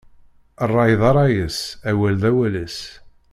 Ṛṛay d ṛṛay-is, awal d awal-is.